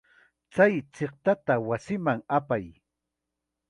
Kay chiqtata wasiman apay.